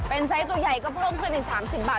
เป็นไซส์ตัวใหญ่ก็เพิ่มขึ้นอีก๓๐บาท